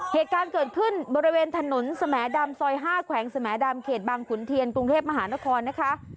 เหตุการณ์เกิดขึ้นบริเวณถนนสมดำซอย๕แขวงสมดำเขตบางขุนเทียนกรุงเทพมหานครนะคะ